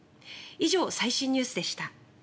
以上、最新ニュースでした。